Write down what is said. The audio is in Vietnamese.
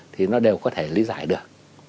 thì nó đều có thể lý giải được